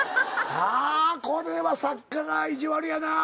あこれは作家が意地悪やなぁ。